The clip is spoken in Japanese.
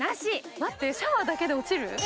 待って、シャワーだけで落ちる？